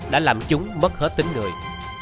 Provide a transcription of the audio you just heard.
đã làm chúng mất hết tính người